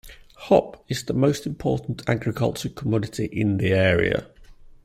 Hop is the most important agricultural commodity in the area.